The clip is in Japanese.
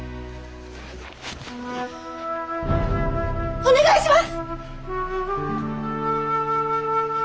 お願いします！